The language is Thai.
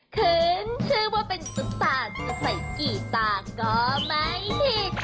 คืนชื่อว่าเป็นตุ๊กตาจะใส่กี่ตาก็ไหมที่